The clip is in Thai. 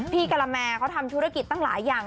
กะละแมเขาทำธุรกิจตั้งหลายอย่าง